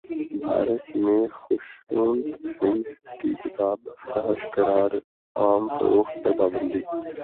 بھارت میں خشونت سنگھ کی کتاب فحش قرار عام فروخت پر پابندی